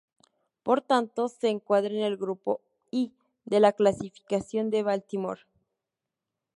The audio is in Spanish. Por tanto se encuadra en el Grupo I de la Clasificación de Baltimore.